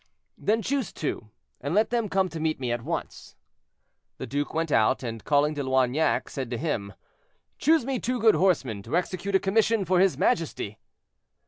"Then choose two, and let them come to me at once." The duke went out, and calling De Loignac, said to him, "Choose me two good horsemen, to execute a commission for his majesty."